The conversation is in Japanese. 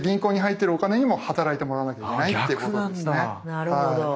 なるほど。